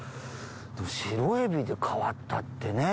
シロエビで変わったってねぇ。